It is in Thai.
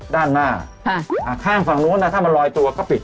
ด้านหน้าข้างฝั่งนู้นถ้ามันลอยตัวก็ปิด